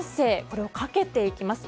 これをかけていきます。